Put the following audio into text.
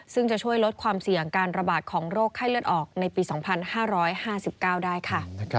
ซึ่งจะช่วยลดความเสี่ยงการระบาดของโรคไข้เลือดออกในปี๒๕๕๙ได้ค่ะ